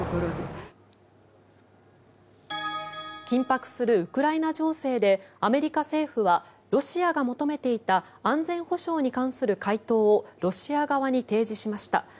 緊迫するウクライナ情勢でアメリカ政府はロシアが求めていた安全保障に関する回答をロシア側に提示しました。